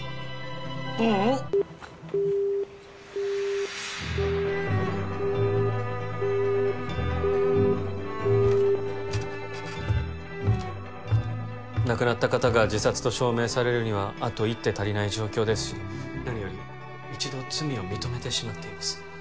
ううん亡くなった方が自殺と証明されるにはあと一手足りない状況ですし何より一度罪を認めてしまっています